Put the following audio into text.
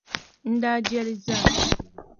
N daa je li zaa!